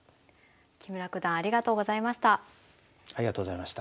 木村九段ありがとうございました。